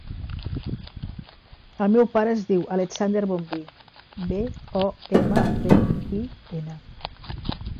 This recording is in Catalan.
El meu pare es diu Alexander Bombin: be, o, ema, be, i, ena.